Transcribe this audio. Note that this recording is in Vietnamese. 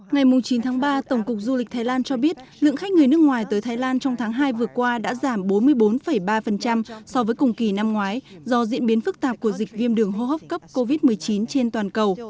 ngày chín tháng ba tổng cục du lịch thái lan cho biết lượng khách người nước ngoài tới thái lan trong tháng hai vừa qua đã giảm bốn mươi bốn ba so với cùng kỳ năm ngoái do diễn biến phức tạp của dịch viêm đường hô hấp cấp covid một mươi chín trên toàn cầu